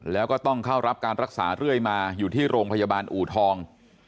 แล้วก็ต้องเข้ารับการรักษาเรื่อยมาอยู่ที่โรงพยาบาลอูทอง